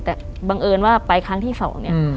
แต่บังเอิญว่าไปครั้งที่สองเนี่ย